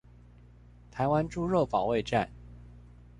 台灣豬肉保衛戰